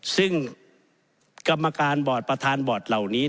ซึ่งกรรมการบอร์ดประธานบอร์ดเหล่านี้